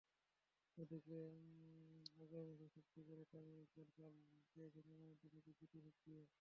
ওদিকে আগের ম্যাচে ফিফটি করা তামিম ইকবাল কাল পেয়েছেন টুর্নামেন্টে নিজের দ্বিতীয় ফিফটিটিও।